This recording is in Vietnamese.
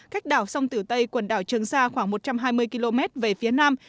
cách đảo sông tử tây quần đảo trường sa khoảng một trăm hai mươi km về phía nam